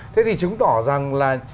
thế thì chứng tỏ rằng là